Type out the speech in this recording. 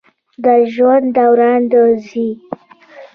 د ژوند دوران د زی